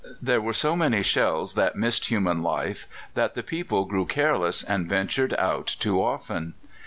There were so many shells that missed human life that the people grew careless and ventured out too often.